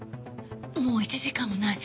もう１時間もない。